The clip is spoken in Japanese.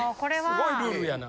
すごいルールやな。